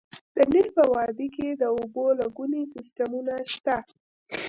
د نیل په وادۍ کې د اوبو لګونې سیستمونه شته